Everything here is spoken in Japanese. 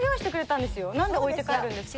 なんで置いて帰るんですか？